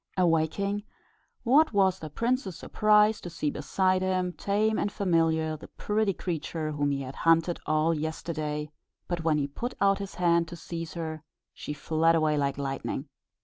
Awaking, what was the prince's surprise to see beside him, tame and familiar, the pretty creature whom he had hunted all yesterday; but when he put out his hand to seize her, she fled away like lightning.